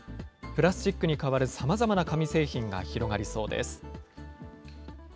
プラスチックに代わるさまざまな紙製品が広がりそうです。